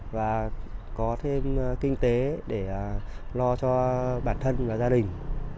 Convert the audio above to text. và có thêm kinh tế để lo cho bản thân và gia đình